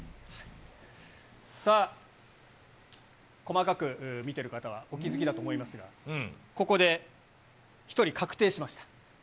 さあ、細かく見てる方はお気付きだと思いますが、ここで１人、確定しました。